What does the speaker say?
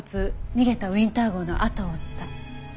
逃げたウィンター号のあとを追った。